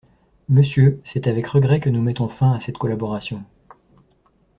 Monsieur, c'est avec regrets que nous mettons fin à cette collaboration.